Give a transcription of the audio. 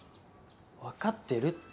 分かってるって。